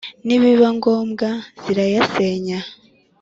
Nibiba ngombwa zirayasenya !